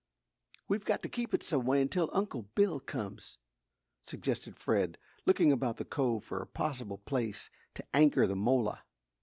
"We've got to keep it some way until Uncle Bill comes," suggested Fred, looking about the cove for a possible place to anchor the mola.